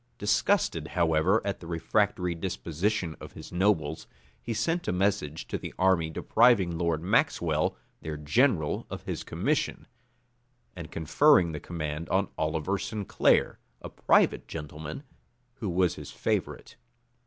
Disgusted, however, at the refractory disposition of his nobles, he sent a message to the army depriving Lord Maxwel, their general, of his commission, and conferring the command on Oliver Sinclair, a private gentleman, who was his favorite.